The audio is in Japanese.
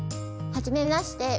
はじめまして。